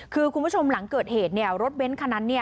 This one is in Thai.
คือคุณผู้ชมหลังเกิดเหตุรถเบ้นคันนั้น